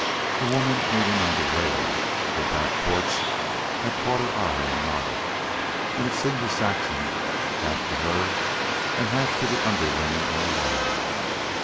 The woman leaning on the rail of her back porch, had caught her eye, and nodded, as it seemed to Saxon, half to her and half to the underlinen on the line.